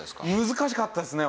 難しかったですね